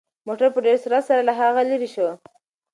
موټر په ډېر سرعت سره له هغه لرې شو.